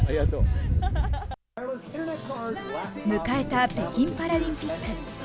迎えた北京パラリンピック。